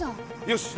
よし。